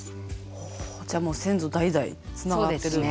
ほじゃあもう先祖代々つながってる。